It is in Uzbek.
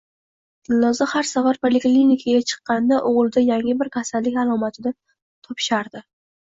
Dilnoza har safar poliklinikaga chiqqanida o`g`lida yangi bir kasallik alomatini topishardi